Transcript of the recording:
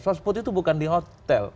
sospot itu bukan di hotel